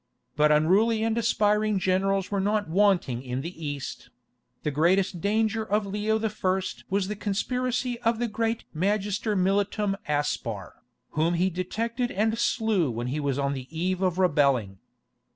But unruly and aspiring generals were not wanting in the East; the greatest danger of Leo I. was the conspiracy of the great Magister militum Aspar, whom he detected and slew when he was on the eve of rebelling.